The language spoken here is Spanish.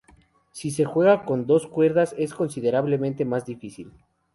Si se juega con dos cuerdas, es considerablemente más difícil.